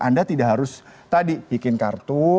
anda tidak harus tadi bikin kartu